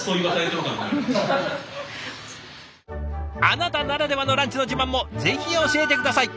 あなたならではのランチの自慢もぜひ教えて下さい。